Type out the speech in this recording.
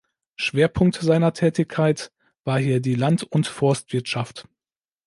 Schwerpunkt seiner Tätigkeit war hier die Land- und Forstwirtschaft.